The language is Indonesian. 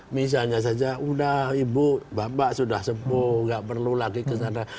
misalnya saja sudah ibu bapak sudah sepuh nggak perlu lagi kesana